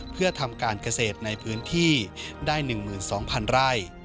เพื่อทำการเกษตรในพื้นที่ได้๑๒๐๐๐ไร่